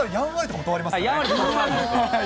断ります。